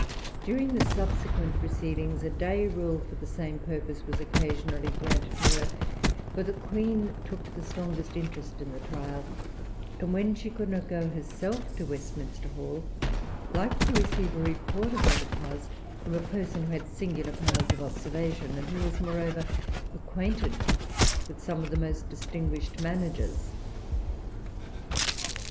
During the subsequent proceedings a day rule for the same purpose was occasionally granted to her; for the Queen took the strongest interest in the trial, and when she could not go herself to Westminster Hall, liked to receive a report of what had passed from a person who had singular powers of observation, and who was, moreover, acquainted with some of the most distinguished managers.